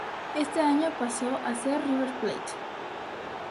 Ese año pasó a River Plate.